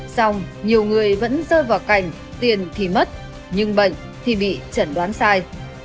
xong nhiều người vẫn rơi vào cảnh tiền thì mất nhưng bệnh thì bị chẩn đoán sai